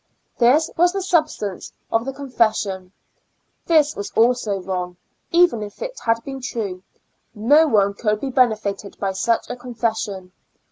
This was the substance of the con fession. This was also wrong ; even if it had been true, no one could be benefited by such a confession.